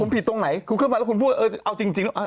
ผมผิดตรงไหนเข้ามาแล้วคุณบอกเอาจรีงแล้ว